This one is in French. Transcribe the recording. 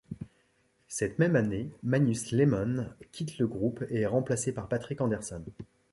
Cette même année, Magnus Lemon quitte le groupe, et est remplacé par Patrik Andersson.